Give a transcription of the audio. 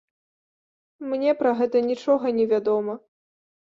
Мне пра гэта нічога не вядома.